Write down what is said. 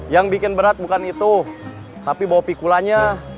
yang bikin berat bukan itu tapi bawa pikulannya